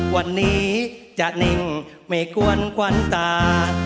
วันนี้จะนิ่งไม่กวนกวนตา